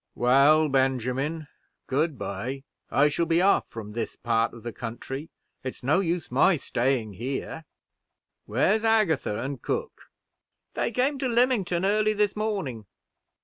"Well, Benjamin, good by, I shall be off from this part of the country it's no use my staying here. Where's Agatha and cook?" "They came to Lymington early this morning."